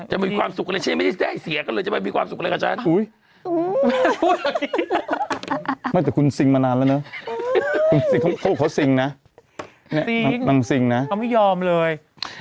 หนูดีก็มีความสุขกับคุณแม่จริงเลย